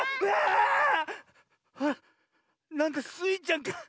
あっなんだスイちゃんか。